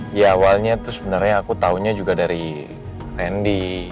ya awalnya tuh sebenernya aku taunya juga dari randy